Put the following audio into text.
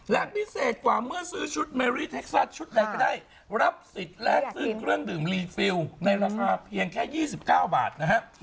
และพิเศษกว่าเมื่อซื้อชุดเมรี่เท็กซัสชุดใดก็ได้รับสิทธิ์และซื้อเครื่องดื่มรีฟิลในราคาเพียงแค่๒๙บาทนะฮะ